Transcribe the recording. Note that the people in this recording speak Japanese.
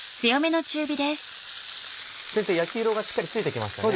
先生焼き色がしっかりついてきましたね。